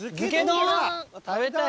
食べたい。